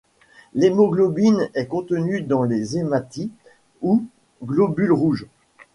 L'hémoglobine est contenue dans les hématies ou globules rouges.